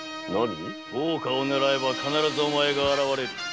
大岡をねらえば必ずお前が現れる。